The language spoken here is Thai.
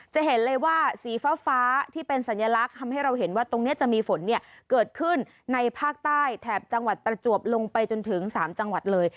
จะเห็นเลยว่าสีฟ้าที่เป็นสัญลักษณ์ทำให้เราเห็นว่าตรงนี้จะมีฝนเกิดขึ้นในภาคใต้แถบจังหวัดประจวบลงไปจนถึง๓จังหวัดเลย